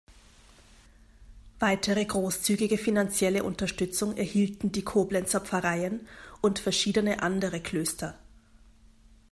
Weitere großzügige finanzielle Unterstützung erhielten die Koblenzer Pfarreien und verschiedene andere Klöster.